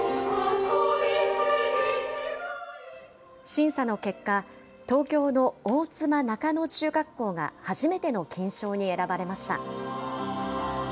審査の結果、東京の大妻中野中学校が初めての金賞に選ばれました。